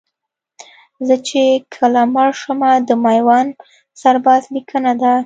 زه چې کله مړ شمه د میوند سرباز لیکنه ده